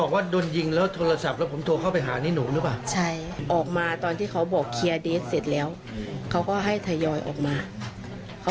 แขนนี่คือโดนกระสุนรู้แต่ว่ามันวัยคิดว่าแตะ